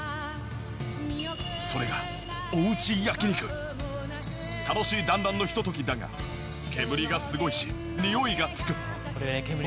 それが楽しい団らんのひとときだが煙がすごいしニオイがつく。